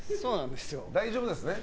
大丈夫ですね？